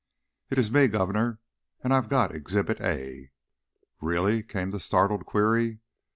"It's me, Governor. And I've got Exhibit A." "Really?" came the startled query.